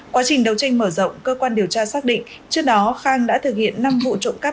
quá trình đấu tranh mở rộng cơ quan điều tra xác định trước đó khang đã thực hiện năm vụ trộm cắp